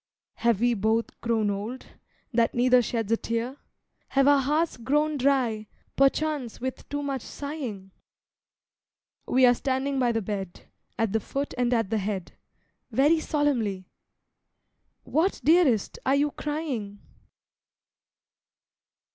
Have we both grown old, that neither sheds a tear? Have our hearts grown dry perchance with too much sighing? We are standing by the bed, At the foot and at the head, Very solemnly!——What, dearest, are you crying?